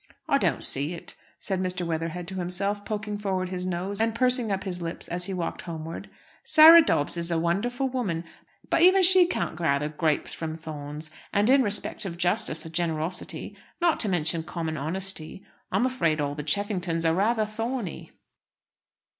"I don't see it," said Mr. Weatherhead to himself, poking forward his nose, and pursing up his lips as he walked homeward. "Sarah Dobbs is a wonderful woman, but even she can't gather grapes from thorns. And in respect of justice or generosity not to mention common honesty I'm afraid all the Cheffingtons are rather thorny."